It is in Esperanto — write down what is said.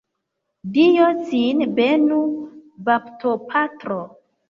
Dio cin benu, baptopatro!